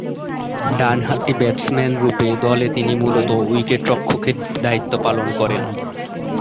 ডানহাতি ব্যাটসম্যানরূপে দলে তিনি মূলতঃ উইকেট-রক্ষকের দায়িত্ব পালন করেন।